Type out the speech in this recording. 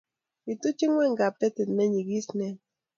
Katuch inweny kapetit ne nyigis nea